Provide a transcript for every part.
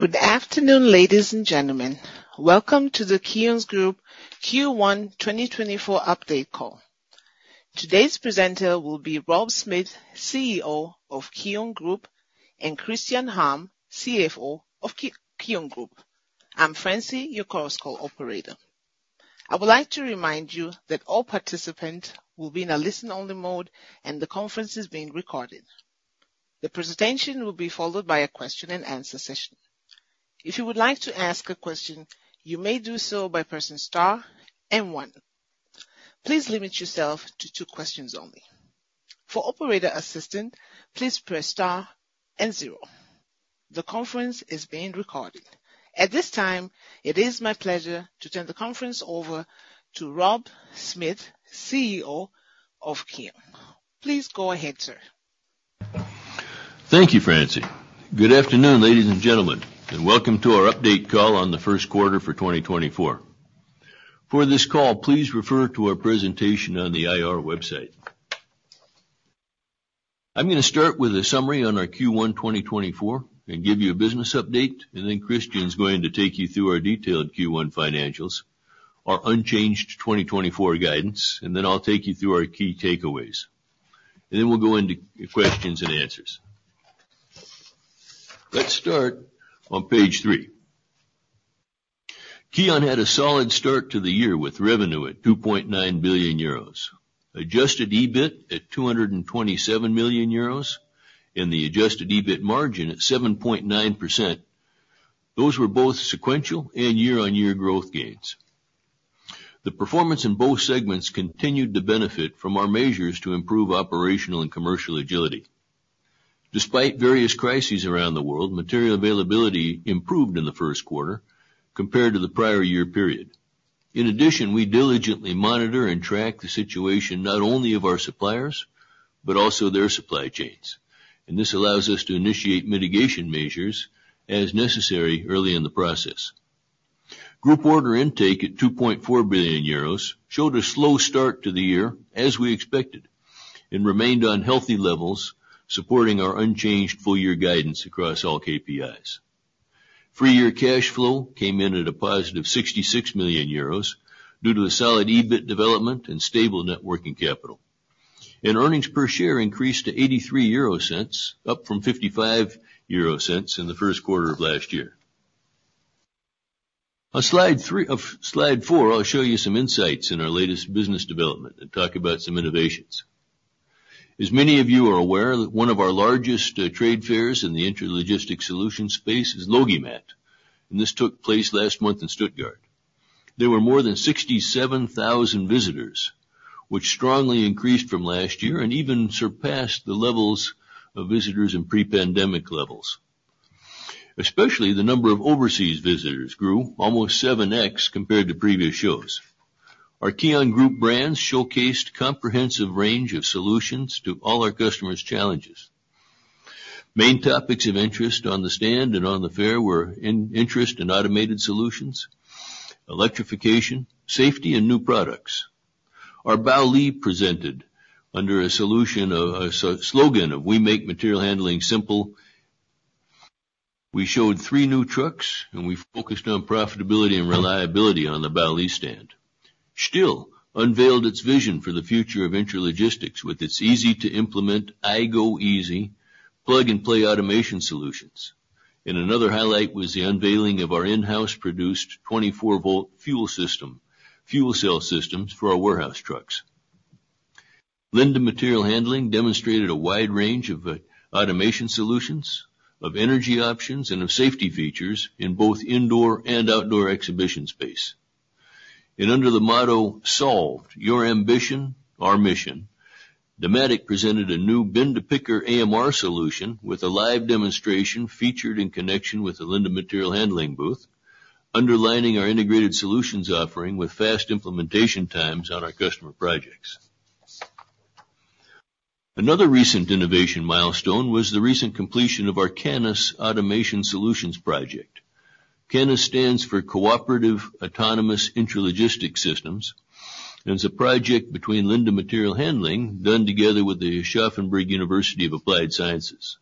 Good afternoon, ladies and gentlemen. Welcome to the KION Group's Q1 2024 Update Call. Today's presenter will be Rob Smith, CEO of KION Group, and Christian Harm, CFO of KION Group. I'm Francie, your call operator. I would like to remind you that all participants will be in a listen-only mode, and the conference is being recorded. The presentation will be followed by a question-and-answer session. If you would like to ask a question, you may do so by pressing star and one. Please limit yourself to two questions only. For operator assistance, please press star and zero. The conference is being recorded. At this time, it is my pleasure to turn the conference over to Rob Smith, CEO of KION. Please go ahead, sir. Thank you, Francie. Good afternoon, ladies and gentlemen, and welcome to our update call on the first quarter for 2024. For this call, please refer to our presentation on the IR website. I'm gonna start with a summary on our Q1 2024 and give you a business update, and then Christian's going to take you through our detailed Q1 financials, our unchanged 2024 guidance, and then I'll take you through our key takeaways. And then we'll go into questions and answers. Let's start on page 3. KION had a solid start to the year with revenue at 2.9 billion euros, adjusted EBIT at 227 million euros, and the adjusted EBIT margin at 7.9%. Those were both sequential and year-on-year growth gains. The performance in both segments continued to benefit from our measures to improve operational and commercial agility. Despite various crises around the world, material availability improved in the first quarter compared to the prior year period. In addition, we diligently monitor and track the situation not only of our suppliers, but also their supply chains, and this allows us to initiate mitigation measures as necessary early in the process. Group order intake at 2.4 billion euros showed a slow start to the year, as we expected, and remained on healthy levels, supporting our unchanged full year guidance across all KPIs. Free year cash flow came in at a positive 66 million euros due to a solid EBIT development and stable net working capital. Earnings per share increased to 0.83, up from 0.55 in the first quarter of last year. On slide three, slide four, I'll show you some insights in our latest business development and talk about some innovations. As many of you are aware, that one of our largest trade fairs in the intralogistics solution space is LogiMAT, and this took place last month in Stuttgart. There were more than 67,000 visitors, which strongly increased from last year and even surpassed the levels of visitors in pre-pandemic levels. Especially, the number of overseas visitors grew almost 7x compared to previous shows. Our KION Group brands showcased comprehensive range of solutions to all our customers' challenges. Main topics of interest on the stand and on the fair were interest in automated solutions, electrification, safety, and new products. Our Baoli presented under the slogan of "We make material handling simple." We showed three new trucks, and we focused on profitability and reliability on the Baoli stand. STILL unveiled its vision for the future of intralogistics with its easy-to-implement iGo easy plug-and-play automation solutions. Another highlight was the unveiling of our in-house produced 24-volt fuel cell systems for our warehouse trucks. Linde Material Handling demonstrated a wide range of automation solutions, of energy options, and of safety features in both indoor and outdoor exhibition space. Under the motto, "Solved. Your ambition, our mission," Dematic presented a new bin-to-picker AMR solution with a live demonstration featured in connection with the Linde Material Handling booth, underlining our integrated solutions offering with fast implementation times on our customer projects. Another recent innovation milestone was the recent completion of our CANIS automation solutions project. CANIS stands for Cooperative Autonomous Intralogistics Systems, and it's a project between Linde Material Handling, done together with the Schaeffler University of Applied Sciences.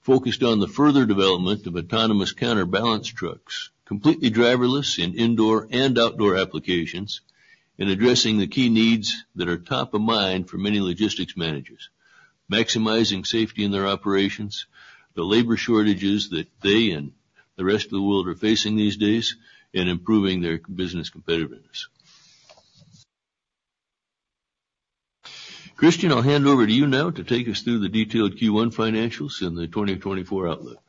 Focused on the further development of autonomous counterbalance trucks, completely driverless in indoor and outdoor applications, and addressing the key needs that are top of mind for many logistics managers: maximizing safety in their operations, the labor shortages that they and the rest of the world are facing these days, and improving their business competitiveness. Christian Harm, I'll hand over to you now to take us through the detailed Q1 financials and the 2024 outlook.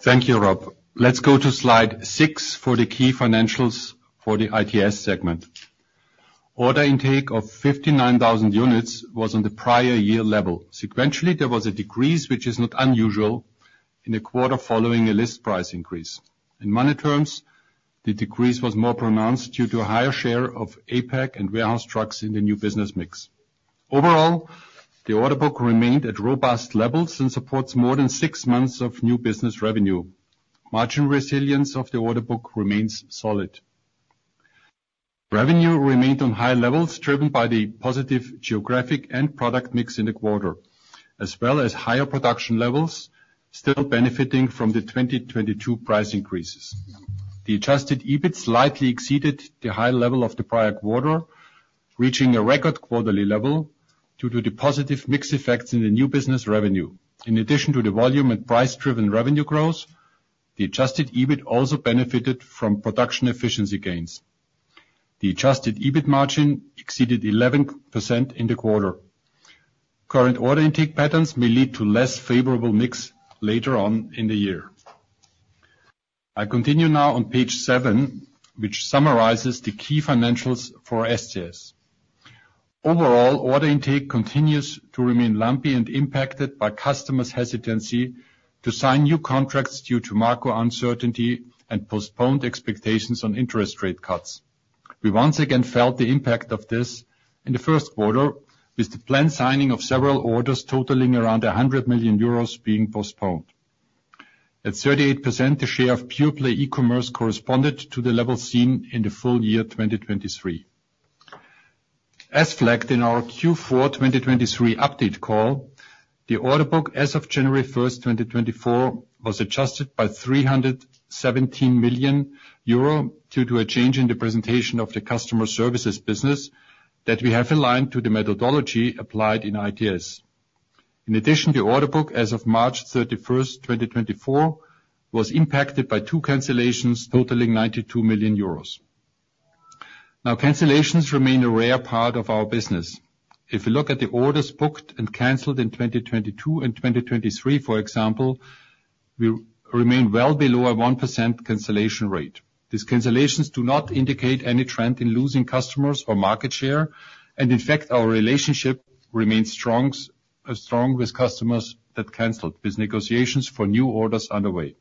Thank you, Rob. Let's go to slide 6 for the key financials for the ITS segment. Order intake of 59,000 units was on the prior year level. Sequentially, there was a decrease, which is not unusual, in a quarter following a list price increase. In money terms, the decrease was more pronounced due to a higher share of APAC and warehouse trucks in the new business mix. Overall, the order book remained at robust levels and supports more than 6 months of new business revenue. Margin resilience of the order book remains solid. Revenue remained on high levels, driven by the positive geographic and product mix in the quarter, as well as higher production levels still benefiting from the 2022 price increases. The adjusted EBIT slightly exceeded the high level of the prior quarter, reaching a record quarterly level due to the positive mix effects in the new business revenue. In addition to the volume and price-driven revenue growth, the adjusted EBIT also benefited from production efficiency gains. The adjusted EBIT margin exceeded 11% in the quarter. Current order intake patterns may lead to less favorable mix later on in the year. I continue now on page seven, which summarizes the key financials for SCS. Overall, order intake continues to remain lumpy and impacted by customers' hesitancy to sign new contracts due to macro uncertainty and postponed expectations on interest rate cuts. We once again felt the impact of this in the first quarter, with the planned signing of several orders totaling around 100 million euros being postponed. At 38%, the share of pure play e-commerce corresponded to the level seen in the full year 2023. As flagged in our Q4 2023 update call, the order book as of January first, 2024, was adjusted by 317 million euro due to a change in the presentation of the customer services business that we have aligned to the methodology applied in ITS. In addition, the order book as of March thirty-first, 2024, was impacted by two cancellations totaling 92 million euros. Now, cancellations remain a rare part of our business. If you look at the orders booked and canceled in 2022 and 2023, for example, we remain well below a 1% cancellation rate. These cancellations do not indicate any trend in losing customers or market share, and in fact, our relationship remains strong with customers that canceled, with negotiations for new orders underway.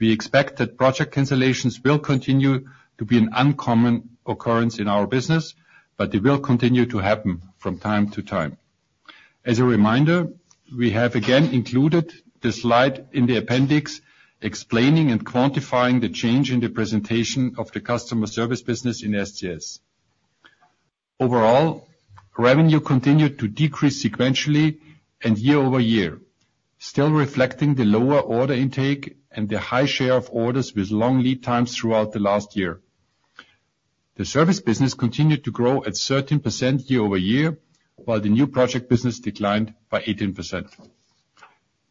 We expect that project cancellations will continue to be an uncommon occurrence in our business, but they will continue to happen from time to time. As a reminder, we have again included the slide in the appendix, explaining and quantifying the change in the presentation of the customer service business in SCS. Overall, revenue continued to decrease sequentially and year-over-year, still reflecting the lower order intake and the high share of orders with long lead times throughout the last year. The service business continued to grow at 13% year-over-year, while the new project business declined by 18%.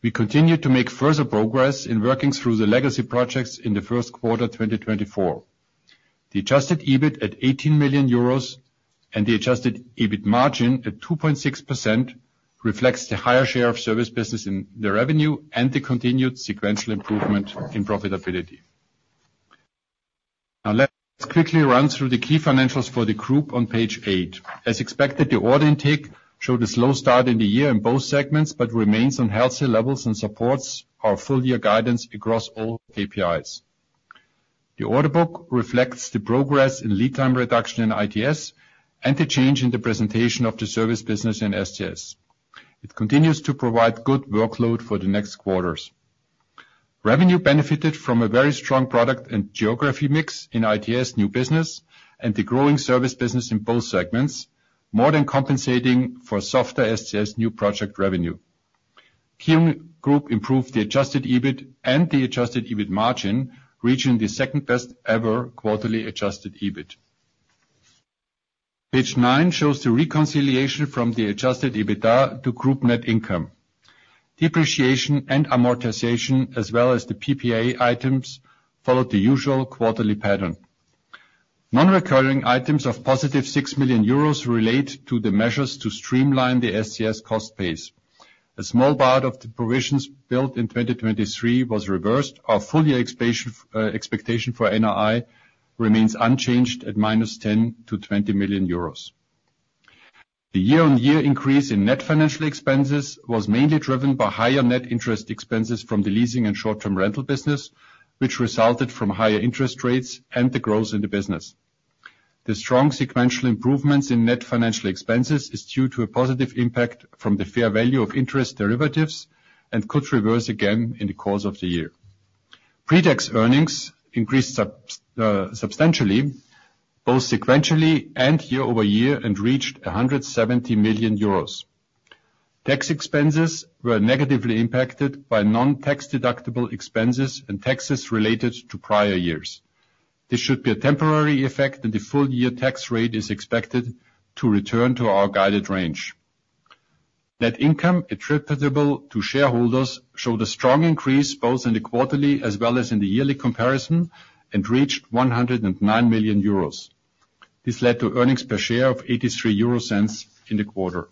We continued to make further progress in working through the legacy projects in the first quarter 2024. The adjusted EBIT at 18 million euros and the adjusted EBIT margin at 2.6%, reflects the higher share of service business in the revenue and the continued sequential improvement in profitability. Now, let's quickly run through the key financials for the group on page 8. As expected, the order intake showed a slow start in the year in both segments, but remains on healthy levels and supports our full year guidance across all KPIs. The order book reflects the progress in lead time reduction in ITS and the change in the presentation of the service business in SCS. It continues to provide good workload for the next quarters. Revenue benefited from a very strong product and geography mix in ITS new business and the growing service business in both segments, more than compensating for softer SCS new project revenue. KION Group improved the adjusted EBIT and the adjusted EBIT margin, reaching the second best ever quarterly adjusted EBIT. Page nine shows the reconciliation from the adjusted EBITDA to group net income. Depreciation and amortization, as well as the PPA items, followed the usual quarterly pattern. Non-recurring items of +6 million euros relate to the measures to streamline the SCS cost base. A small part of the provisions built in 2023 was reversed. Our full year expectation for NII remains unchanged at -10 million to 20 million euros. The year-on-year increase in net financial expenses was mainly driven by higher net interest expenses from the leasing and short-term rental business, which resulted from higher interest rates and the growth in the business. The strong sequential improvements in net financial expenses is due to a positive impact from the fair value of interest derivatives and could reverse again in the course of the year. Pre-tax earnings increased substantially, both sequentially and year-over-year, and reached 170 million euros. Tax expenses were negatively impacted by non-tax deductible expenses and taxes related to prior years. This should be a temporary effect, and the full year tax rate is expected to return to our guided range. Net income attributable to shareholders showed a strong increase both in the quarterly as well as in the yearly comparison, and reached 109 million euros. This led to earnings per share of 0.83 in the quarter.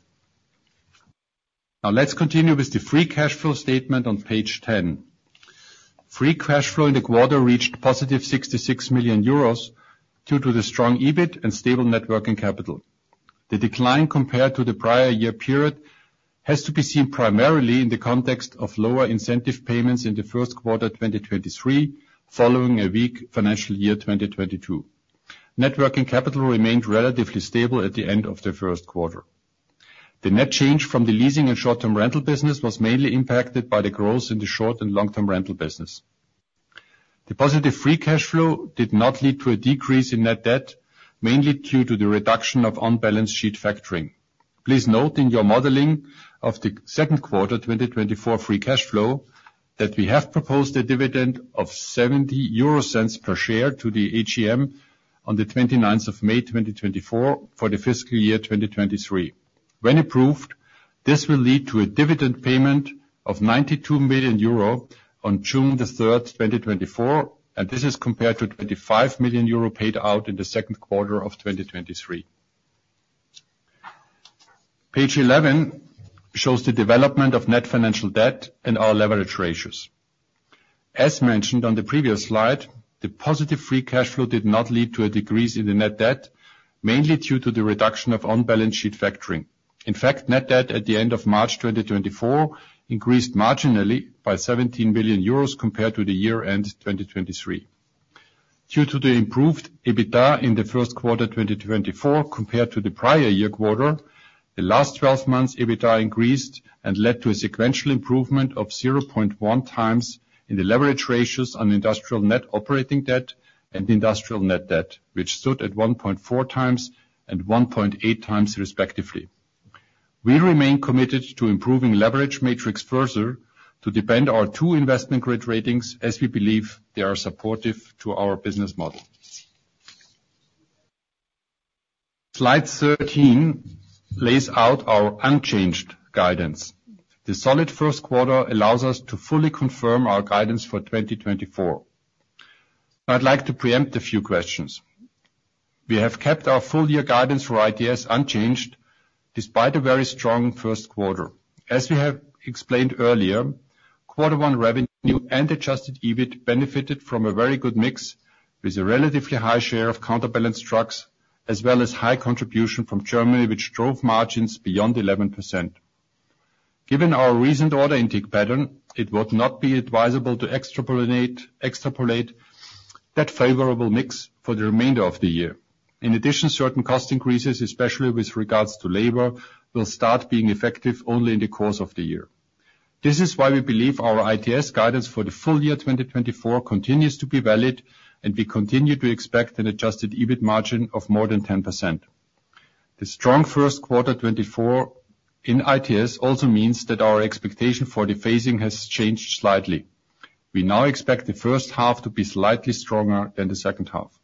Now, let's continue with the free cash flow statement on page 10. Free cash flow in the quarter reached positive 66 million euros due to the strong EBIT and stable net working capital. The decline compared to the prior year period has to be seen primarily in the context of lower incentive payments in the first quarter, 2023, following a weak financial year, 2022. Net working capital remained relatively stable at the end of the first quarter. The net change from the leasing and short-term rental business was mainly impacted by the growth in the short and long-term rental business. The positive free cash flow did not lead to a decrease in net debt, mainly due to the reduction of on-balance sheet factoring. Please note in your modeling of the second quarter, 2024 free cash flow, that we have proposed a dividend of 0.70 per share to the AGM on the 29th of May, 2024, for the fiscal year, 2023. When approved, this will lead to a dividend payment of 92 million euro on June 3, 2024, and this is compared to 25 million euro paid out in the second quarter of 2023. Page 11 shows the development of net financial debt and our leverage ratios. As mentioned on the previous slide, the positive free cash flow did not lead to a decrease in the net debt, mainly due to the reduction of on-balance sheet factoring. In fact, net debt at the end of March 2024 increased marginally by 17 billion euros compared to the year-end 2023. Due to the improved EBITDA in the first quarter 2024, compared to the prior year quarter, the last 12 months EBITDA increased and led to a sequential improvement of 0.1x in the leverage ratios on industrial net operating debt and industrial net debt, which stood at 1.4x and 1.8x, respectively. We remain committed to improving leverage metrics further to defend our two investment grade ratings, as we believe they are supportive to our business model. Slide 13 lays out our unchanged guidance. The solid first quarter allows us to fully confirm our guidance for 2024. I'd like to preempt a few questions. We have kept our full year guidance for ITS unchanged, despite a very strong first quarter. As we have explained earlier, quarter one revenue and adjusted EBIT benefited from a very good mix, with a relatively high share of counterbalance trucks, as well as high contribution from Germany, which drove margins beyond 11%. Given our recent order intake pattern, it would not be advisable to extrapolate that favorable mix for the remainder of the year. In addition, certain cost increases, especially with regards to labor, will start being effective only in the course of the year. This is why we believe our ITS guidance for the full year 2024 continues to be valid, and we continue to expect an adjusted EBIT margin of more than 10%. The strong first quarter 2024 in ITS also means that our expectation for the phasing has changed slightly. We now expect the first half to be slightly stronger than the second half.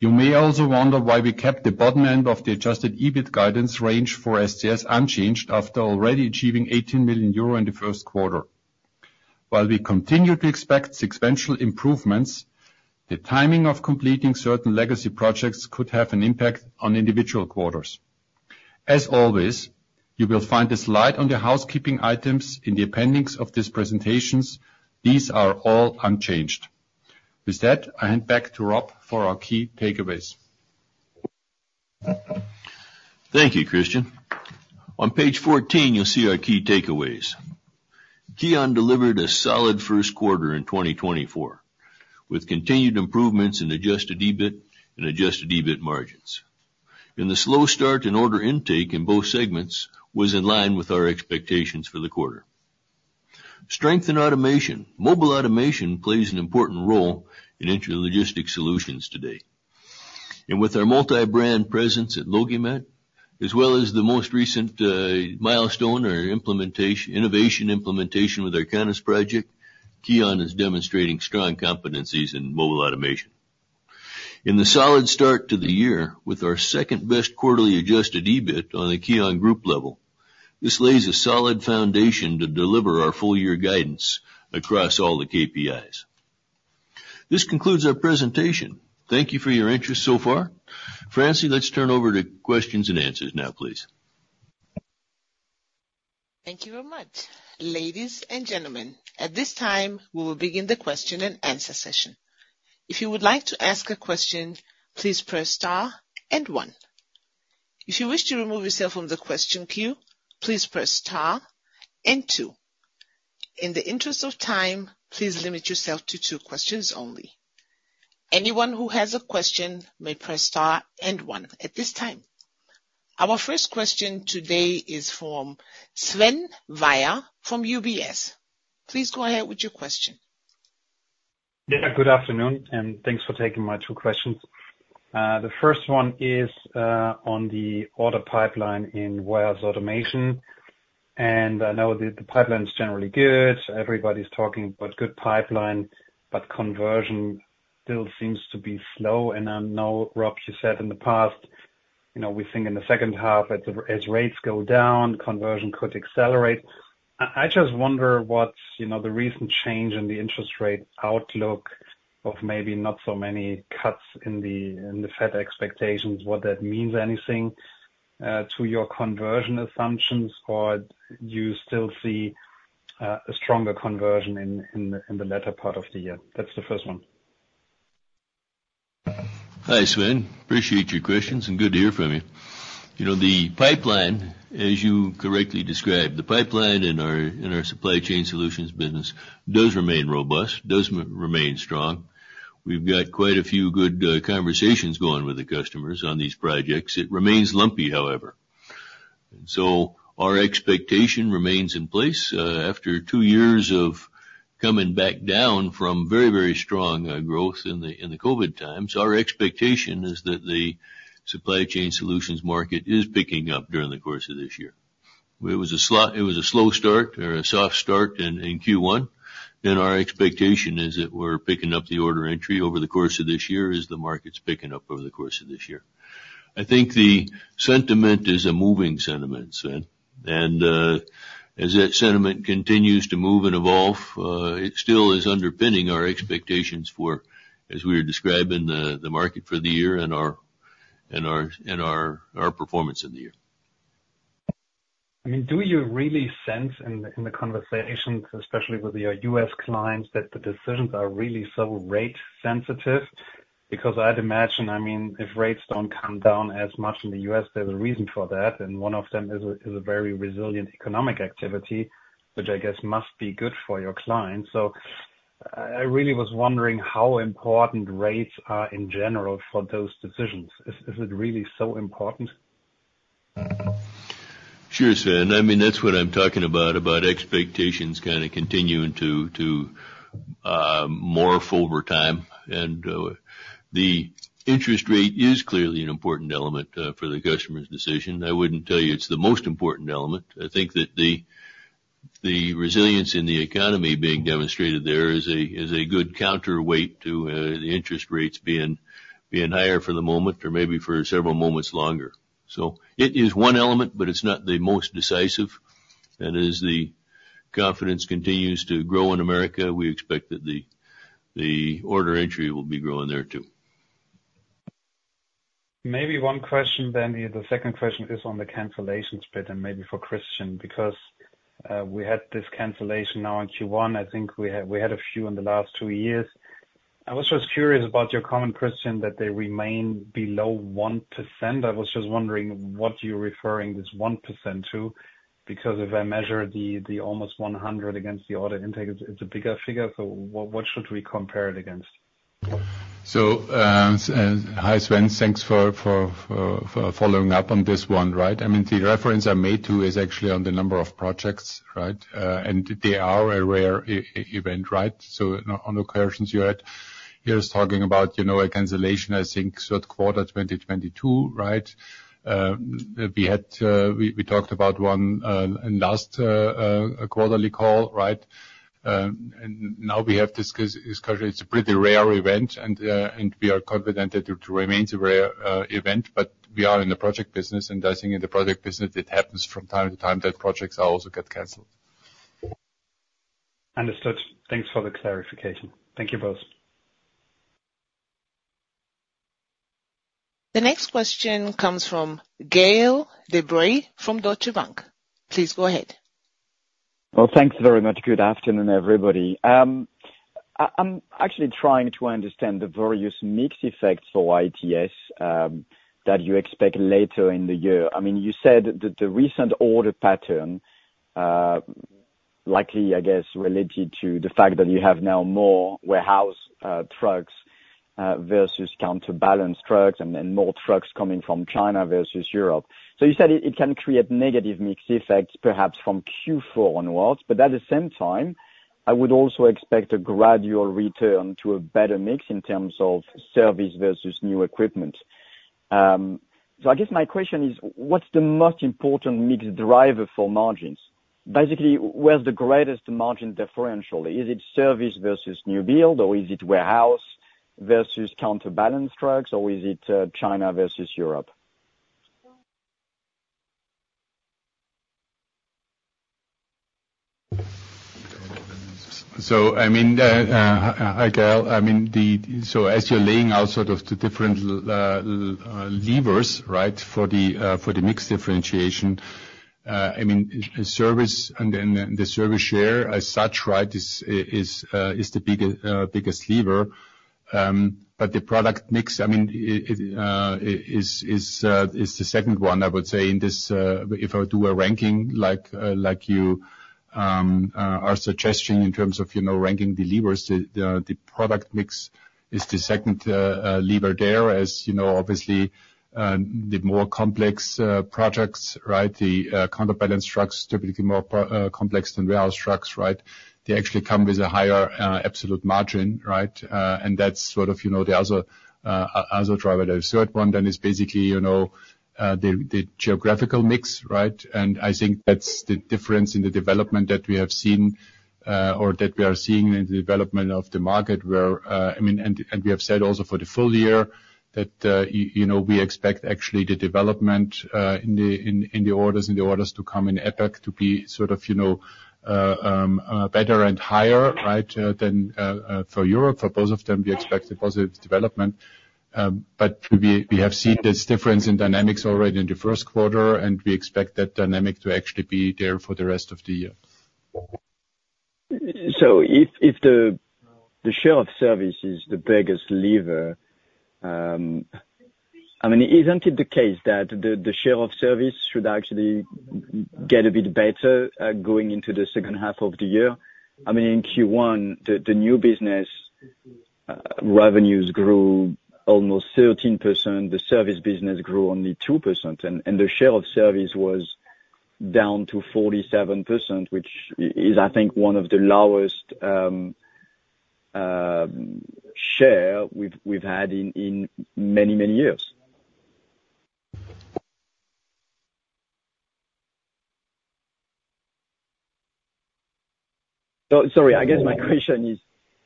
You may also wonder why we kept the bottom end of the adjusted EBIT guidance range for SCS unchanged, after already achieving 18 million euro in the first quarter. While we continue to expect sequential improvements, the timing of completing certain legacy projects could have an impact on individual quarters. As always, you will find a slide on the housekeeping items in the appendix of these presentations. These are all unchanged. With that, I hand back to Rob for our key takeaways. Thank you, Christian. On page 14, you'll see our key takeaways. KION delivered a solid first quarter in 2024, with continued improvements in adjusted EBIT and adjusted EBIT margins. The slow start in order intake in both segments was in line with our expectations for the quarter. Strength in automation. Mobile automation plays an important role in intralogistics solutions today. With our multi-brand presence at LogiMAT, as well as the most recent, milestone or implementation, innovation implementation with our Canis project, KION is demonstrating strong competencies in mobile automation. In the solid start to the year, with our second-best quarterly adjusted EBIT on a KION group level, this lays a solid foundation to deliver our full year guidance across all the KPIs. This concludes our presentation. Thank you for your interest so far. Francine, let's turn over to questions and answers now, please. Thank you very much. Ladies and gentlemen, at this time, we will begin the question and answer session. If you would like to ask a question, please press star and one. If you wish to remove yourself from the question queue, please press star and two. In the interest of time, please limit yourself to two questions only. Anyone who has a question may press star and one at this time. Our first question today is from Sven Weiers from UBS. Please go ahead with your question. Yeah, good afternoon, and thanks for taking my two questions. The first one is on the order pipeline in Warehouse Automation, and I know that the pipeline is generally good. Everybody's talking about good pipeline, but conversion still seems to be slow. And I know, Rob, you said in the past, you know, we think in the second half, as rates go down, conversion could accelerate. I just wonder what's, you know, the recent change in the interest rate outlook of maybe not so many cuts in the Fed expectations, what that means anything to your conversion assumptions, or do you still see a stronger conversion in the latter part of the year? That's the first one. Hi, Sven. Appreciate your questions and good to hear from you. You know, the pipeline, as you correctly described, the pipeline in our supply chain solutions business does remain robust, does remain strong. We've got quite a few good conversations going with the customers on these projects. It remains lumpy, however. And so our expectation remains in place, after two years of coming back down from very, very strong growth in the COVID times. Our expectation is that the supply chain solutions market is picking up during the course of this year. It was a slow start or a soft start in Q1, and our expectation is that we're picking up the order entry over the course of this year, as the market's picking up over the course of this year. I think the sentiment is a moving sentiment, Sven. And, as that sentiment continues to move and evolve, it still is underpinning our expectations for, as we were describing the market for the year and our performance in the year. I mean, do you really sense in the conversations, especially with your U.S. clients, that the decisions are really so rate sensitive? Because I'd imagine, I mean, if rates don't come down as much in the U.S., there's a reason for that, and one of them is a very resilient economic activity, which I guess must be good for your clients. So I really was wondering how important rates are in general for those decisions. Is it really so important? Sure, Sven. I mean, that's what I'm talking about, about expectations kind of continuing to morph over time. And the interest rate is clearly an important element for the customer's decision. I wouldn't tell you it's the most important element. I think that the resilience in the economy being demonstrated there is a good counterweight to the interest rates being higher for the moment or maybe for several moments longer. So it is one element, but it's not the most decisive. And as the confidence continues to grow in America, we expect that the order entry will be growing there, too. Maybe one question then, the second question is on the cancellations bit, and maybe for Christian, because we had this cancellation now in Q1. I think we had a few in the last two years. I was just curious about your comment, Christian, that they remain below 1%. I was just wondering, what you're referring this 1% to, because if I measure the almost 100 against the order intake, it's a bigger figure. So what should we compare it against? So, hi, Sven. Thanks for following up on this one, right? I mean, the reference I made to is actually on the number of projects, right? And they are a rare event, right? So on the you had, here is talking about, you know, a cancellation, I think, third quarter, 2022, right? We had, we talked about one in last quarterly call, right? And now we have discussed it's a pretty rare event, and we are confident that it remains a rare event, but we are in the project business, and I think in the project business, it happens from time to time, that projects also get canceled. Understood. Thanks for the clarification. Thank you both. The next question comes from Gaël de Bray from Deutsche Bank. Please go ahead. Well, thanks very much. Good afternoon, everybody. I'm actually trying to understand the various mix effects for ITS that you expect later in the year. I mean, you said that the recent order pattern likely, I guess, related to the fact that you have now more warehouse trucks versus counterbalance trucks and more trucks coming from China versus Europe. So you said it can create negative mix effects, perhaps from Q4 onwards, but at the same time, I would also expect a gradual return to a better mix in terms of service versus new equipment. So I guess my question is: What's the most important mix driver for margins? Basically, where's the greatest margin differential? Is it service versus new build, or is it warehouse versus counterbalance trucks, or is it China versus Europe? So, I mean, hi, Gail. I mean, So as you're laying out sort of the different levers, right, for the for the mix differentiation, I mean, service and then the service share as such, right, is, is the bigger biggest lever. But the product mix, I mean, it is, is the second one, I would say, in this, if I were do a ranking like, like you are suggesting in terms of, you know, ranking the levers, the, the, the product mix is the second lever there. As you know, obviously, the more complex projects, right, the counterbalance trucks typically more complex than warehouse trucks, right? They actually come with a higher absolute margin, right? That's sort of, you know, the other driver. The third one then is basically, you know, the geographical mix, right? And I think that's the difference in the development that we have seen, or that we are seeing in the development of the market, where, I mean, and we have said also for the full year, that, you know, we expect actually the development in the orders to come in APAC to be sort of, you know, better and higher, right, than for Europe. For both of them, we expect a positive development, but we have seen this difference in dynamics already in the first quarter, and we expect that dynamic to actually be there for the rest of the year. So if the share of service is the biggest lever, I mean, isn't it the case that the share of service should actually get a bit better going into the second half of the year? I mean, in Q1, the new business revenues grew almost 13%, the service business grew only 2%, and the share of service was down to 47%, which is, I think, one of the lowest share we've had in many years. So, sorry, I guess my question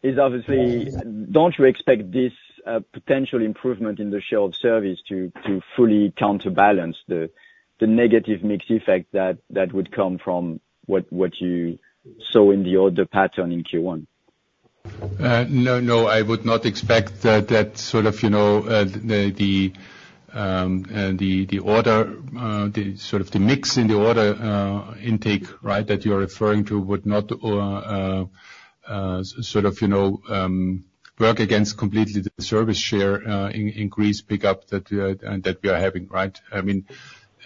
is obviously, don't you expect this potential improvement in the share of service to fully counterbalance the negative mix effect that would come from what you saw in the order pattern in Q1? No, no, I would not expect that, that sort of, you know, the order, the sort of the mix in the order intake, right? That you're referring to would not sort of, you know, work against completely the service share, increased pickup that we are having, right? I mean,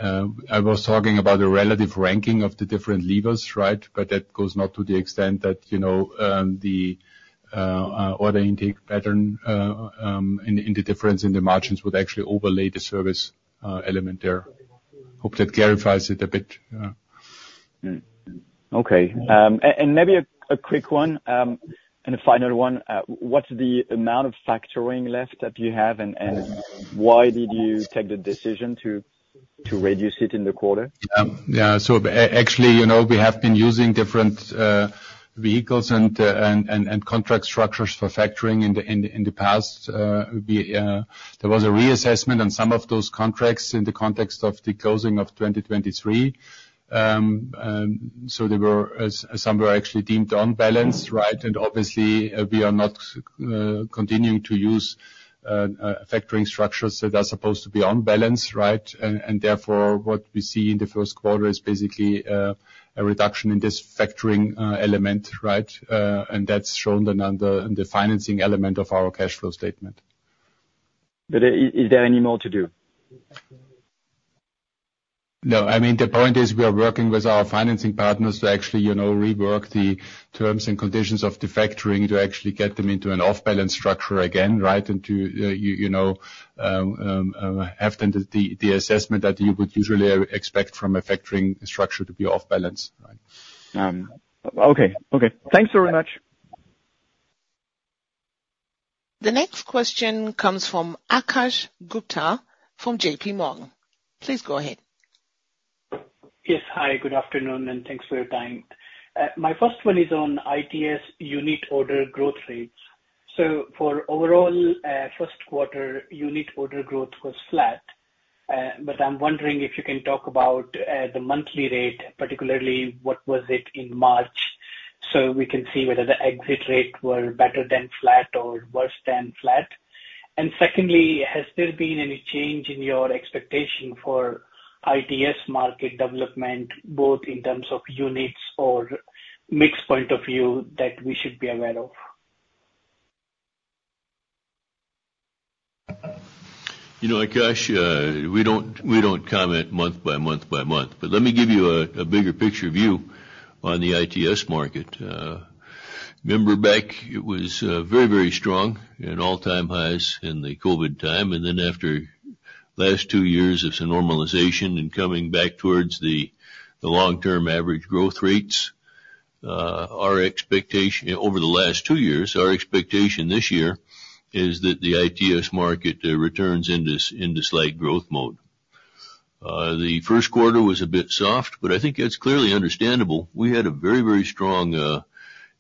I was talking about the relative ranking of the different levers, right? But that goes not to the extent that, you know, the order intake pattern in the difference in the margins, would actually overlay the service element there. Hope that clarifies it a bit. Okay. And maybe a quick one, and a final one. What's the amount of factoring left that you have, and why did you take the decision to reduce it in the quarter? Yeah, so actually, you know, we have been using different vehicles and contract structures for factoring in the past. There was a reassessment on some of those contracts in the context of the closing of 2023. So there were some were actually deemed on balance, right? And obviously, we are not continuing to use factoring structures that are supposed to be on balance, right? And therefore, what we see in the first quarter is basically a reduction in this factoring element, right? And that's shown in the financing element of our cash flow statement. But is there any more to do? No, I mean, the point is, we are working with our financing partners to actually, you know, rework the terms and conditions of the factoring to actually get them into an off-balance structure again, right? And to you know, after the assessment that you would usually expect from a factoring structure to be off-balance, right? Okay, okay. Thanks very much. The next question comes from Akash Gupta, from J.P. Morgan. Please go ahead. Yes, hi, good afternoon, and thanks for your time. My first one is on ITS unit order growth rates. So for overall, first quarter, unit order growth was flat, but I'm wondering if you can talk about the monthly rate, particularly what was it in March, so we can see whether the exit rate was better than flat or worse than flat. And secondly, has there been any change in your expectation for ITS market development, both in terms of units or mix point of view that we should be aware of? You know, Akash, we don't, we don't comment month by month by month. But let me give you a bigger picture view on the ITS market. Remember back, it was very, very strong in all-time highs in the COVID time, and then after last two years of some normalization and coming back towards the long-term average growth rates, our expectation. Over the last two years, our expectation this year is that the ITS market returns into slight growth mode. The first quarter was a bit soft, but I think it's clearly understandable. We had a very, very strong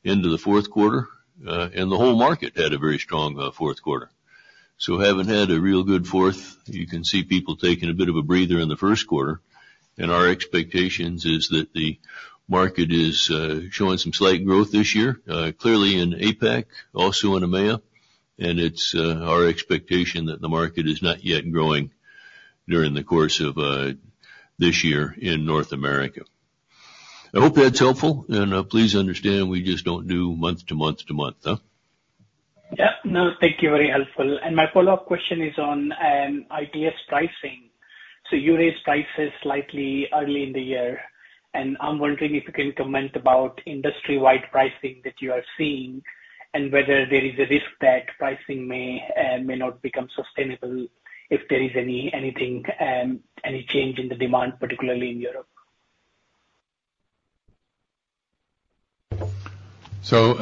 end of the fourth quarter, and the whole market had a very strong fourth quarter. So having had a real good fourth, you can see people taking a bit of a breather in the first quarter, and our expectations is that the market is showing some slight growth this year, clearly in APAC, also in EMEA. It's our expectation that the market is not yet growing during the course of this year in North America. I hope that's helpful, and please understand we just don't do month to month to month, huh? Yeah. No, thank you, very helpful. And my follow-up question is on ITS pricing. So you raised prices slightly early in the year, and I'm wondering if you can comment about industry-wide pricing that you are seeing, and whether there is a risk that pricing may not become sustainable if there is any change in the demand, particularly in Europe? So,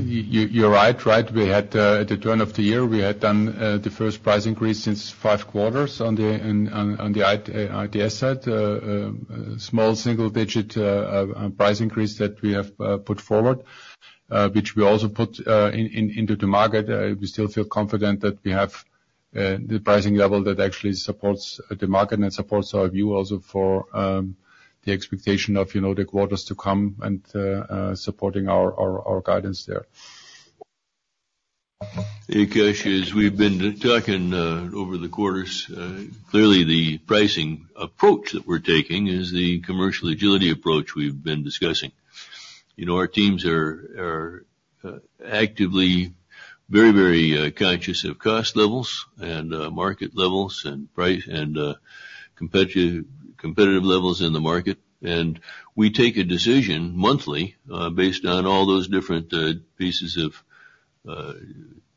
you're right, right. We had at the turn of the year we had done the first price increase since five quarters on the ITS side. Small single-digit price increase that we have put forward, which we also put into the market. We still feel confident that we have the pricing level that actually supports the market and supports our view also for the expectation of, you know, the quarters to come, and supporting our guidance there. Hey, Akash, as we've been talking over the quarters, clearly the pricing approach that we're taking is the commercial agility approach we've been discussing. You know, our teams are actively very, very conscious of cost levels and market levels and price and competitive levels in the market. We take a decision monthly based on all those different pieces of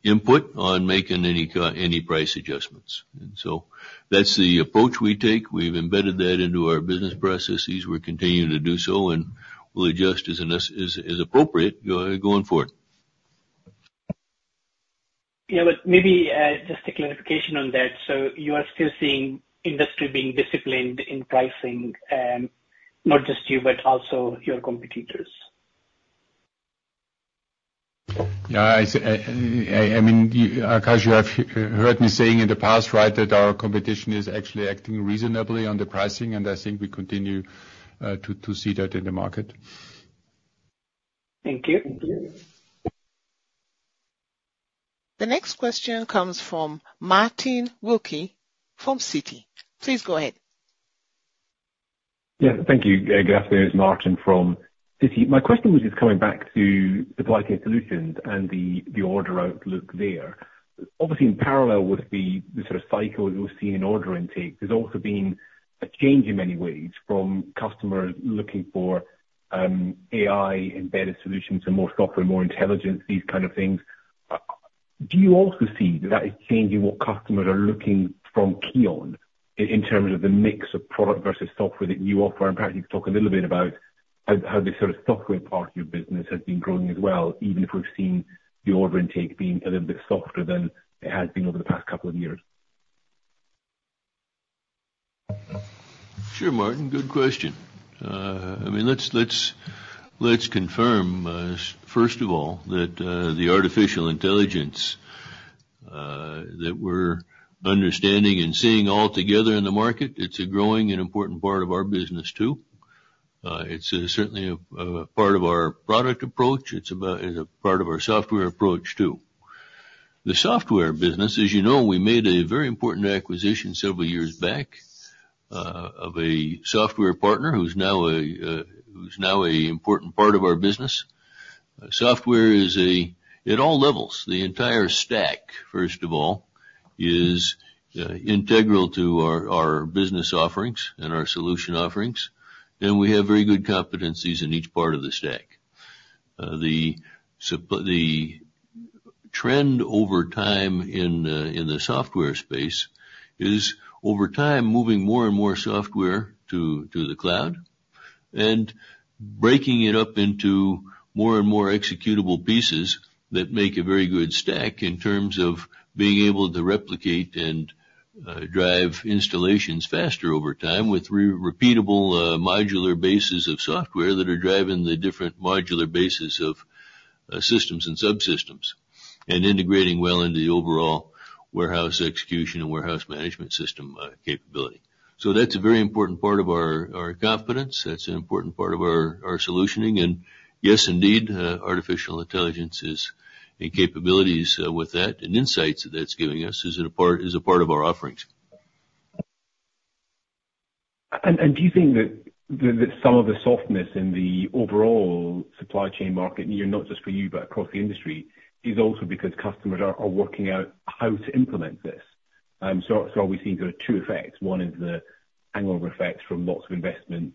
input on making any price adjustments. That's the approach we take. We've embedded that into our business processes. We're continuing to do so, and we'll adjust as necessary, as appropriate going forward. Yeah, but maybe, just a clarification on that. So you are still seeing industry being disciplined in pricing, and not just you, but also your competitors? Yeah, I mean, you, Akash, you have heard me saying in the past, right, that our competition is actually acting reasonably on the pricing, and I think we continue to see that in the market. Thank you. The next question comes from Martin Wilkie from Citi. Please go ahead. Yeah, thank you. Good afternoon. It's Martin from Citi. My question was just coming back to Supply Chain Solutions and the order outlook there. Obviously, in parallel with the sort of cycle we've seen in order intake, there's also been a change in many ways from customers looking for AI-embedded solutions and more software, more intelligence, these kind of things. Do you also see that that is changing what customers are looking from KION in terms of the mix of product versus software that you offer? And perhaps you can talk a little bit about how the sort of software part of your business has been growing as well, even if we've seen the order intake being a little bit softer than it has been over the past couple of years. Sure, Martin, good question. I mean, let's confirm first of all that the artificial intelligence that we're understanding and seeing all together in the market, it's a growing and important part of our business, too. It's certainly a part of our product approach. It's about, it's a part of our software approach, too. The software business, as you know, we made a very important acquisition several years back of a software partner who's now a important part of our business. Software is a... At all levels, the entire stack, first of all, is integral to our business offerings and our solution offerings, and we have very good competencies in each part of the stack. The trend over time in the software space is, over time, moving more and more software to the cloud and breaking it up into more and more executable pieces that make a very good stack in terms of being able to replicate and drive installations faster over time with repeatable modular bases of software that are driving the different modular bases of systems and subsystems, and integrating well into the overall warehouse execution and warehouse management system capability. So that's a very important part of our confidence. That's an important part of our solutioning, and yes, indeed, artificial intelligence is, and capabilities with that, and insights that that's giving us is a part, is a part of our offerings. Do you think that some of the softness in the overall supply chain market, and not just for you, but across the industry, is also because customers are working out how to implement this? So, we've seen kind of two effects. One is the hangover effect from lots of investment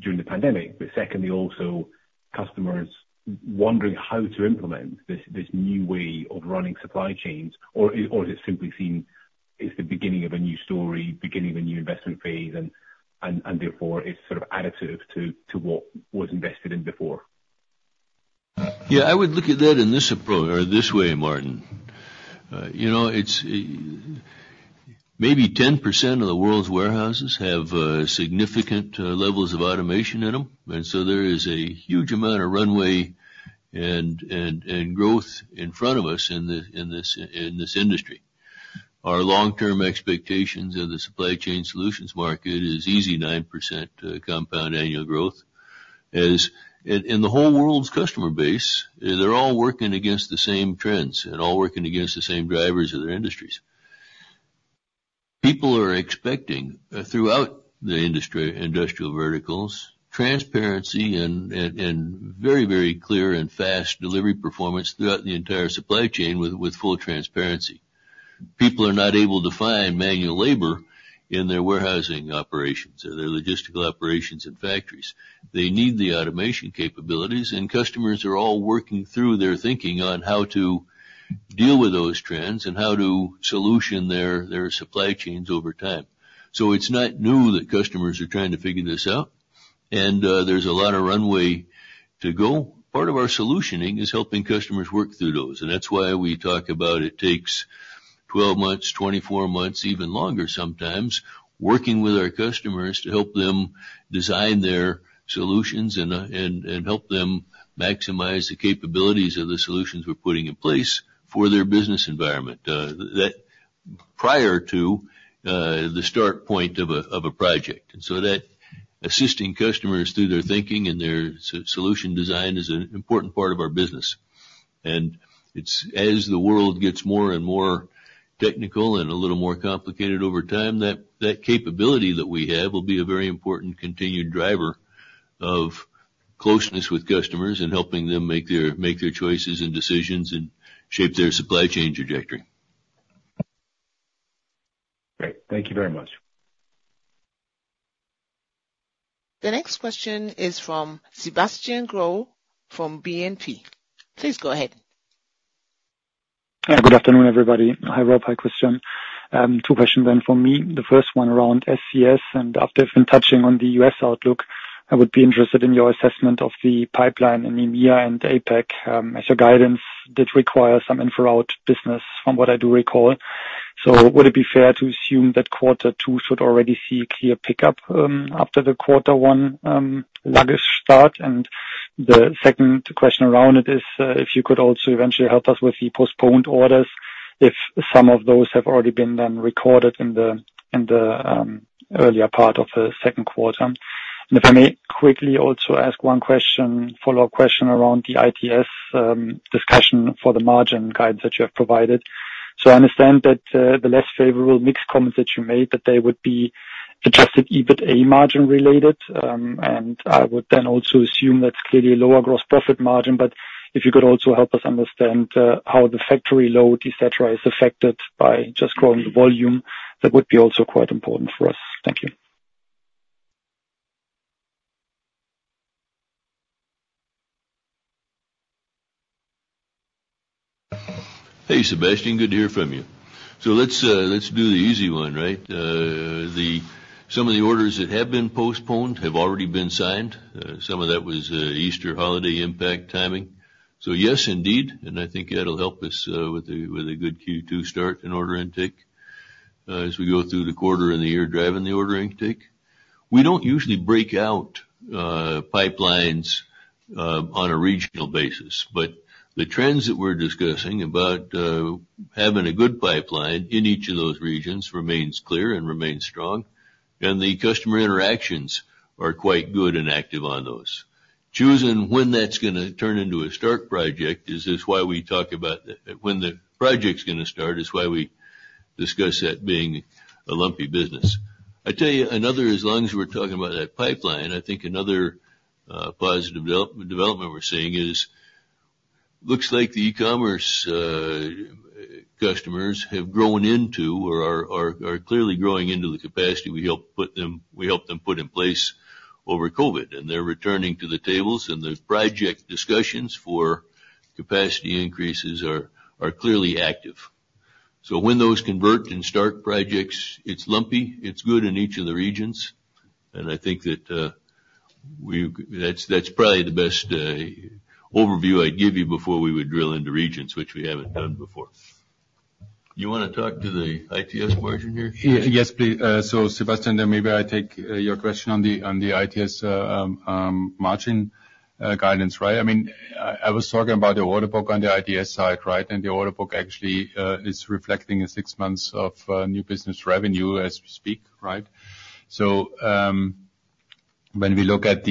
during the pandemic, but secondly, also customers wondering how to implement this new way of running supply chains, or is it simply seen as the beginning of a new story, beginning of a new investment phase, and therefore it's sort of additive to what was invested in before? Yeah, I would look at that in this approach or this way, Martin. You know, it's maybe 10% of the world's warehouses have significant levels of automation in them, and so there is a huge amount of runway and growth in front of us in this industry. Our long-term expectations of the supply chain solutions market is easy 9%, compound annual growth. The whole world's customer base, they're all working against the same trends and all working against the same drivers of their industries. People are expecting throughout the industry, industrial verticals, transparency and very, very clear and fast delivery performance throughout the entire supply chain with full transparency. People are not able to find manual labor in their warehousing operations or their logistical operations and factories. They need the automation capabilities, and customers are all working through their thinking on how to deal with those trends and how to solution their supply chains over time. So it's not new that customers are trying to figure this out, and there's a lot of runway to go. Part of our solutioning is helping customers work through those, and that's why we talk about it takes 12 months, 24 months, even longer, sometimes, working with our customers to help them design their solutions and, and help them maximize the capabilities of the solutions we're putting in place for their business environment, that, prior to the start point of a project. And so that assisting customers through their thinking and their solution design is an important part of our business.... It's, as the world gets more and more technical and a little more complicated over time, that capability that we have will be a very important continued driver of closeness with customers and helping them make their choices and decisions and shape their supply chain trajectory. Great. Thank you very much. The next question is from Sebastian Growe from BNP. Please go ahead. Hi, good afternoon, everybody. Hi, Rob. Hi, Christian. Two questions then for me. The first one around SCS, and after touching on the US outlook, I would be interested in your assessment of the pipeline in EMEA and APAC, as your guidance did require some inflow of business from what I do recall. So would it be fair to assume that quarter two should already see clear pickup after the quarter one sluggish start? And the second question around it is, if you could also eventually help us with the postponed orders, if some of those have already been then recorded in the earlier part of the second quarter. And if I may quickly also ask one question, follow-up question around the ITS discussion for the margin guide that you have provided. I understand that the less favorable mixed comments that you made, that they would be adjusted, EBITDA margin related, and I would then also assume that's clearly a lower gross profit margin. If you could also help us understand how the factory load, et cetera, is affected by just growing the volume, that would be also quite important for us. Thank you. Hey, Sebastian, good to hear from you. So let's do the easy one, right? Some of the orders that have been postponed have already been signed. Some of that was Easter holiday impact timing. So yes, indeed, and I think that'll help us with a good Q2 start and order intake as we go through the quarter and the year, driving the order intake. We don't usually break out pipelines on a regional basis, but the trends that we're discussing about having a good pipeline in each of those regions remains clear and remains strong, and the customer interactions are quite good and active on those. Choosing when that's gonna turn into a start project is why we talk about when the project's gonna start, is why we discuss that being a lumpy business. I tell you, another, as long as we're talking about that pipeline, I think another positive development we're seeing is, looks like the e-commerce customers have grown into or are clearly growing into the capacity we helped them put in place over COVID, and they're returning to the tables, and the project discussions for capacity increases are clearly active. So when those convert and start projects, it's lumpy, it's good in each of the regions, and I think that, that's probably the best overview I'd give you before we would drill into regions, which we haven't done before. You wanna talk to the ITS portion here? Yes, please. So Sebastian, then maybe I take your question on the ITS margin guidance, right? I mean, I was talking about the order book on the ITS side, right? And the order book actually is reflecting six months of new business revenue as we speak, right? So, when we look at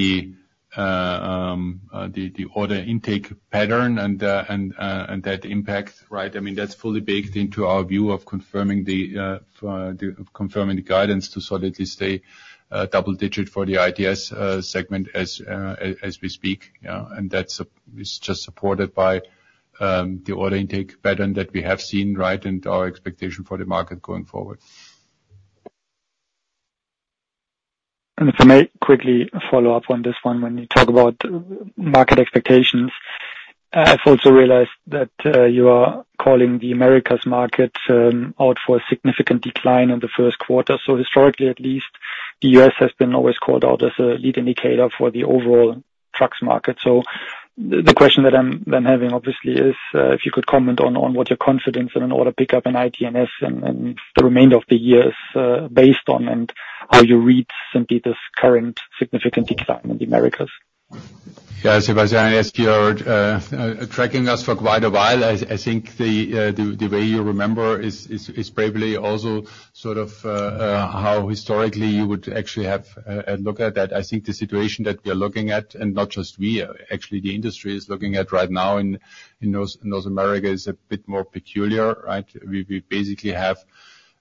the order intake pattern and that impact, right, I mean, that's fully baked into our view of confirming the guidance to solidly stay double digit for the ITS segment as we speak. Yeah, and that is just supported by the order intake pattern that we have seen, right, and our expectation for the market going forward. If I may quickly follow up on this one. When you talk about market expectations, I've also realized that, you are calling the Americas market, out for a significant decline in the first quarter. Historically, at least, the U.S. has been always called out as a lead indicator for the overall trucks market. The question that I'm then having, obviously, is, if you could comment on what your confidence in an order pick up in ITS and the remainder of the years, based on, and how you read simply this current significant decline in the Americas? Yeah, Sebastian, I guess you are tracking us for quite a while. I think the way you remember is probably also sort of how historically you would actually have a look at that. I think the situation that we are looking at, and not just we, actually the industry is looking at right now in North America, is a bit more peculiar, right? We basically have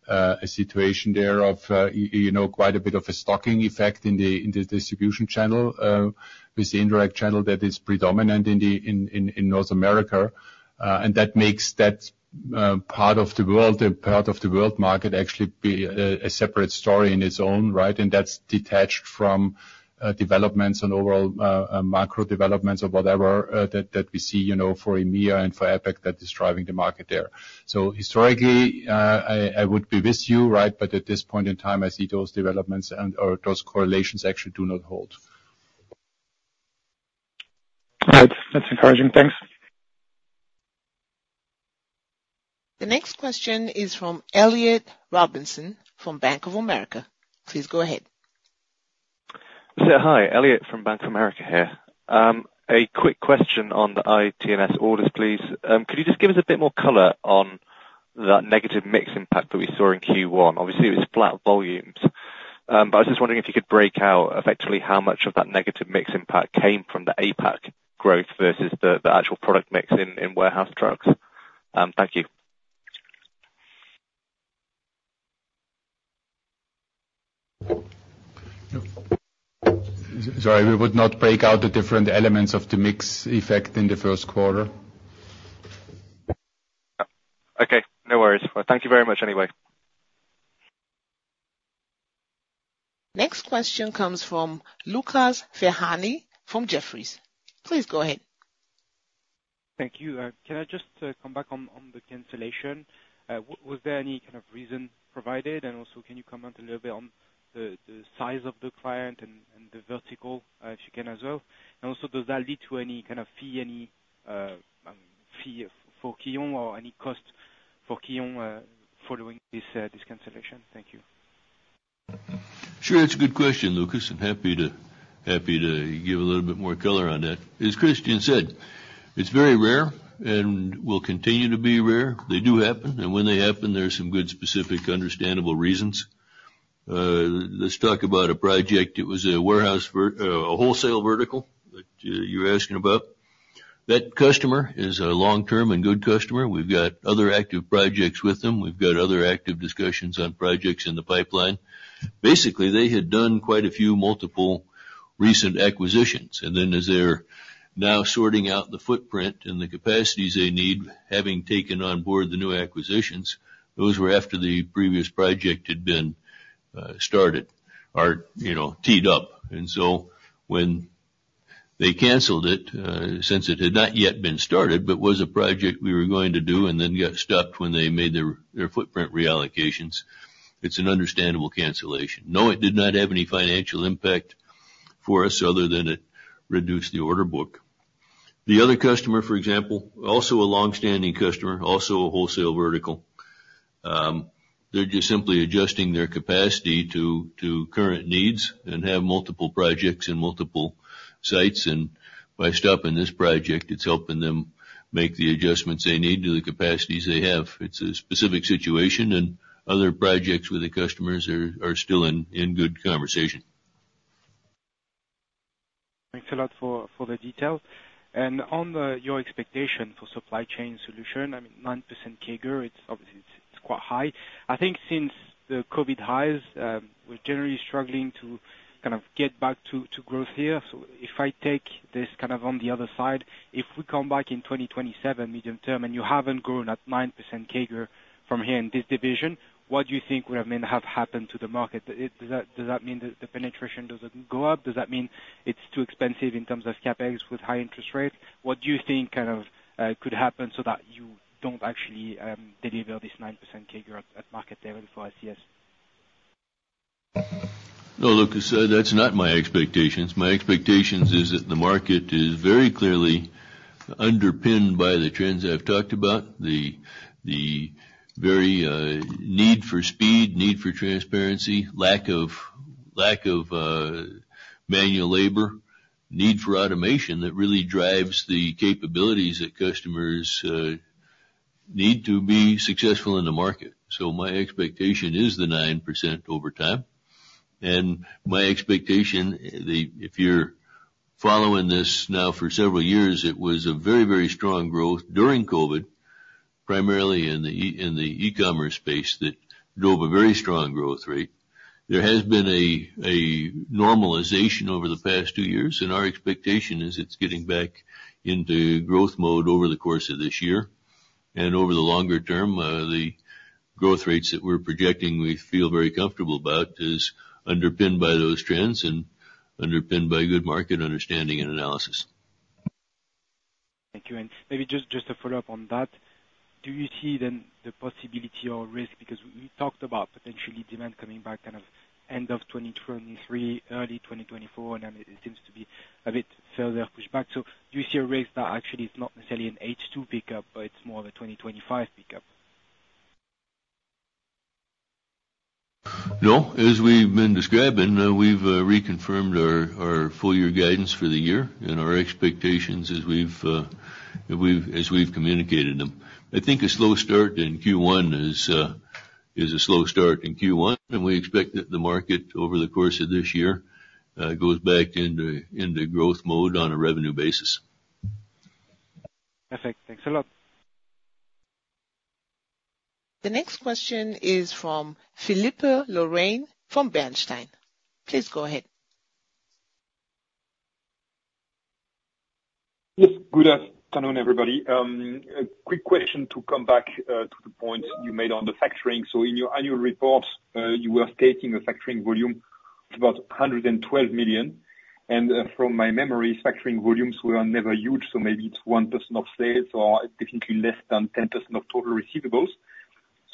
a situation there of you know, quite a bit of a stocking effect in the distribution channel with the indirect channel that is predominant in North America. And that makes that part of the world, a part of the world market actually be a separate story in its own, right? That's detached from developments and overall macro developments or whatever that we see, you know, for EMEA and for APAC that is driving the market there. So historically, I would be with you, right? But at this point in time, I see those developments or those correlations actually do not hold. All right. That's encouraging. Thanks. The next question is from Elliot Robinson, from Bank of America. Please go ahead. So hi, Elliot from Bank of America here. A quick question on the ITNS orders, please. Could you just give us a bit more color on that negative mix impact that we saw in Q1? Obviously, it was flat volumes. But I was just wondering if you could break out effectively how much of that negative mix impact came from the APAC growth versus the actual product mix in warehouse trucks? Thank you. Sorry, we would not break out the different elements of the mix effect in the first quarter. Okay, no worries. Well, thank you very much anyway. Next question comes from Lucas Ferhani from Jefferies. Please go ahead. Thank you. Can I just come back on the cancellation? Was there any kind of reason provided? And also, can you comment a little bit on the size of the client and the vertical, if you can as well? And also, does that lead to any kind of fee, any fee for Kion or any cost for Kion, following this cancellation? Thank you. Sure. That's a good question, Lucas. I'm happy to, happy to give a little bit more color on that. As Christian said, it's very rare and will continue to be rare. They do happen, and when they happen, there are some good, specific, understandable reasons. Let's talk about a project. It was a wholesale vertical that you're asking about. That customer is a long-term and good customer. We've got other active projects with them. We've got other active discussions on projects in the pipeline. Basically, they had done quite a few multiple recent acquisitions, and then as they're now sorting out the footprint and the capacities they need, having taken on board the new acquisitions, those were after the previous project had been started or, you know, teed up. So when they canceled it, since it had not yet been started, but was a project we were going to do and then got stopped when they made their footprint reallocations, it's an understandable cancellation. No, it did not have any financial impact for us other than it reduced the order book. The other customer, for example, also a long-standing customer, also a wholesale vertical, they're just simply adjusting their capacity to current needs and have multiple projects in multiple sites, and by stopping this project, it's helping them make the adjustments they need to the capacities they have. It's a specific situation, and other projects with the customers are still in good conversation. Thanks a lot for the detail. And on your expectation for supply chain solution, I mean, 9% CAGR, it's obviously quite high. I think since the COVID highs, we're generally struggling to kind of get back to growth here. So if I take this kind of on the other side, if we come back in 2027 medium term, and you haven't grown at 9% CAGR from here in this division, what do you think would have been, have happened to the market? Does that mean that the penetration doesn't go up? Does that mean it's too expensive in terms of CapEx with high interest rates? What do you think kind of could happen so that you don't actually deliver this 9% CAGR at market level for ICS? No, Lucas, that's not my expectations. My expectations is that the market is very clearly underpinned by the trends I've talked about, the very need for speed, need for transparency, lack of manual labor, need for automation that really drives the capabilities that customers need to be successful in the market. So my expectation is the 9% over time. And my expectation. If you're following this now for several years, it was a very, very strong growth during COVID, primarily in the e-commerce space, that drove a very strong growth rate. There has been a normalization over the past two years, and our expectation is it's getting back into growth mode over the course of this year. Over the longer term, the growth rates that we're projecting, we feel very comfortable about, is underpinned by those trends and underpinned by good market understanding and analysis. Thank you. And maybe just, just a follow-up on that. Do you see then the possibility or risk? Because we talked about potentially demand coming back kind of end of 2023, early 2024, and then it seems to be a bit further pushed back. So do you see a risk that actually is not necessarily an H2 pickup, but it's more of a 2025 pickup? No, as we've been describing, we've reconfirmed our full year guidance for the year and our expectations as we've communicated them. I think a slow start in Q1 is a slow start in Q1, and we expect that the market over the course of this year goes back into growth mode on a revenue basis. Perfect. Thanks a lot. The next question is from Philippe Lorrain from Bernstein. Please go ahead. Yes, good afternoon, everybody. A quick question to come back to the point you made on the factoring. So in your annual report, you were stating a factoring volume of about 112 million. And from my memory, factoring volumes were never huge, so maybe it's 1% of sales or definitely less than 10% of total receivables.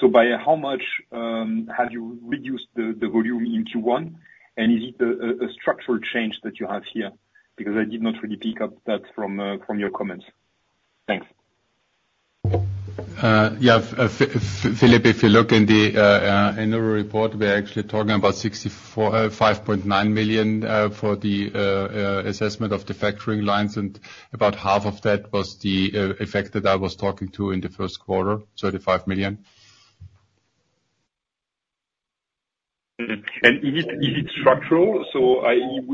So by how much have you reduced the volume in Q1? And is it a structural change that you have here? Because I did not really pick up that from your comments. Thanks. Yeah, Philippe, if you look in the annual report, we are actually talking about 64.59 million for the assessment of the factoring lines. About half of that was the effect that I was talking to in the first quarter, 35 million. Mm-hmm. And is it structural? So,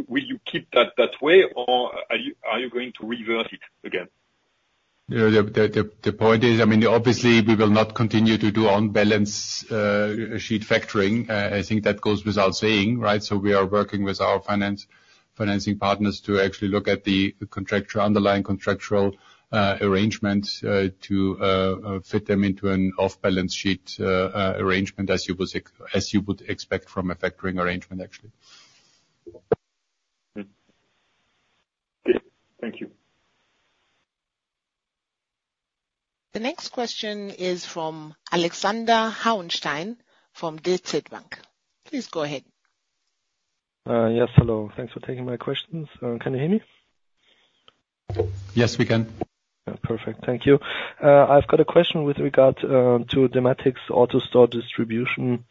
will you keep that way, or are you going to reverse it again? Yeah, the point is, I mean, obviously, we will not continue to do on-balance sheet factoring. I think that goes without saying, right? So we are working with our financing partners to actually look at the underlying contractual arrangements to fit them into an off-balance sheet arrangement, as you would expect from a factoring arrangement, actually. Mm. Thank you. The next question is from Alexander Hauenstein from DZ Bank. Please go ahead. Yes, hello. Thanks for taking my questions. Can you hear me? Yes, we can. Perfect. Thank you. I've got a question with regard to Dematic's AutoStore distribution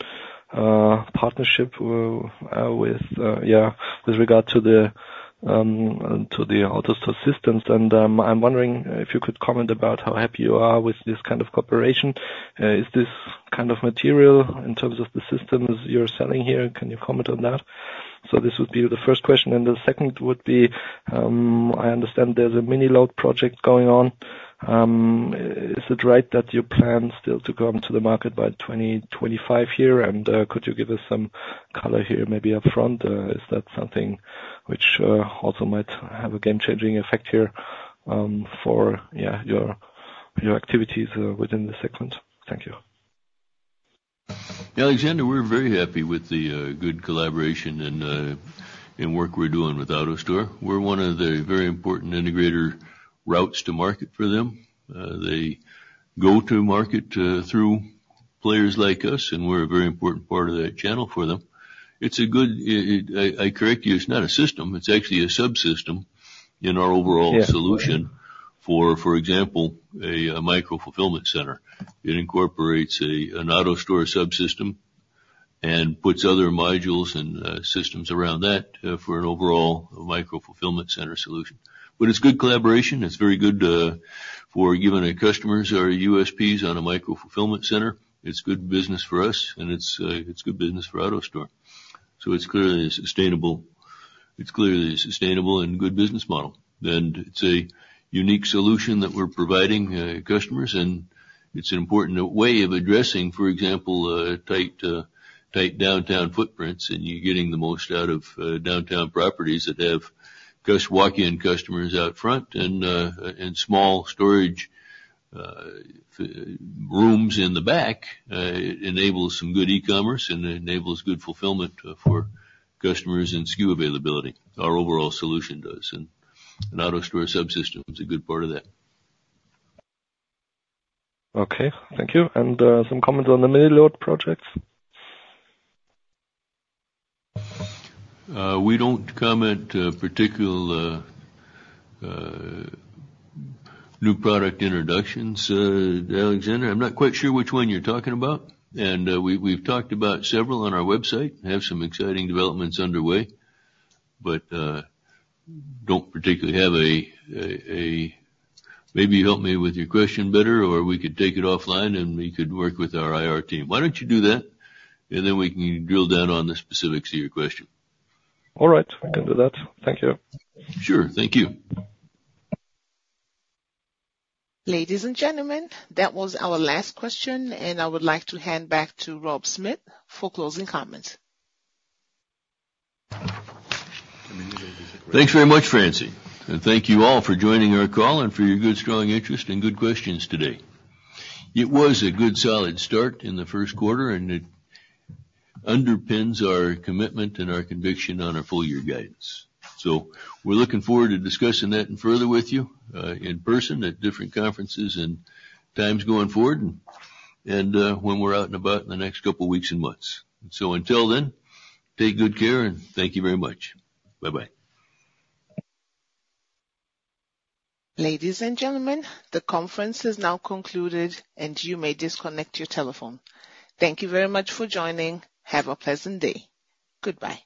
partnership with regard to the AutoStore systems. I'm wondering if you could comment about how happy you are with this kind of cooperation. Is this kind of material in terms of the systems you're selling here? Can you comment on that? This would be the first question, and the second would be, I understand there's a mini-load project going on. Is it right that you plan still to come to the market by 2025 here? Could you give us some color here, maybe up front? Is that something which also might have a game-changing effect here for your activities within the segment? Thank you. Alexander, we're very happy with the good collaboration and work we're doing with AutoStore. We're one of the very important integrator routes to market for them. They go to market through players like us, and we're a very important part of that channel for them. It's a good... I correct you, it's not a system, it's actually a subsystem in our overall. Yeah. Solution for, for example, a micro-fulfillment center. It incorporates an AutoStore subsystem and puts other modules and systems around that for an overall micro-fulfillment center solution. But it's good collaboration. It's very good for giving our customers our USPs on a micro-fulfillment center. It's good business for us, and it's, it's good business for AutoStore. So it's clearly sustainable. It's clearly a sustainable and good business model, and it's a unique solution that we're providing customers, and it's an important way of addressing, for example, tight, tight downtown footprints, and you're getting the most out of downtown properties that have cus- walk-in customers out front and and small storage f- rooms in the back. It enables some good e-commerce, and it enables good fulfillment for customers and SKU availability. Our overall solution does, and AutoStore subsystem is a good part of that. Okay, thank you. Some comments on the mini-load projects? We don't comment particular new product introductions, Alexander. I'm not quite sure which one you're talking about, and we've talked about several on our website, have some exciting developments underway, but don't particularly have a... Maybe you help me with your question better, or we could take it offline, and we could work with our IR team. Why don't you do that? And then we can drill down on the specifics of your question. All right, we can do that. Thank you. Sure. Thank you. Ladies and gentlemen, that was our last question, and I would like to hand back to Rob Smith for closing comments. Thanks very much, Francine, and thank you all for joining our call and for your good, strong interest and good questions today. It was a good, solid start in the first quarter, and it underpins our commitment and our conviction on our full year guidance. So we're looking forward to discussing that further with you in person at different conferences and times going forward and when we're out and about in the next couple of weeks and months. So until then, take good care, and thank you very much. Bye-bye. Ladies and gentlemen, the conference is now concluded, and you may disconnect your telephone. Thank you very much for joining. Have a pleasant day. Goodbye.